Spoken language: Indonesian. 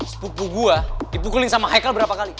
spuku gua dipukulin sama haikal berapa kali